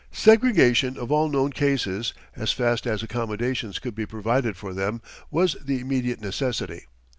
Segregation of all known cases, as fast as accommodations could be provided for them, was the immediate necessity.